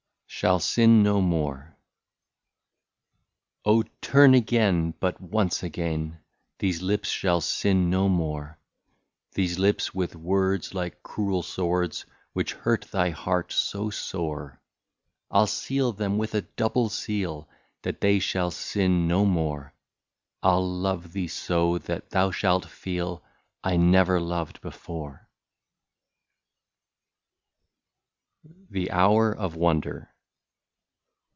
'* 174 SHALL SIN NO MORE. *' Oh ! turn again, but once again, — These lips shall sin no more ; These lips, with words like cruel swords. Which hurt thy heart so sore. " I '11 seal them with a double seal, That they shall sin no more ; I '11 love thee so that thou shalt feel I never loved before." 175 THE HOUR OF WONDER.